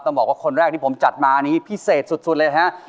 บอกว่าคนแรกที่ผมจัดมานี้พิเศษสุดเลยฮะ